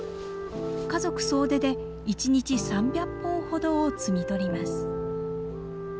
家族総出で１日３００本ほどを摘み取ります。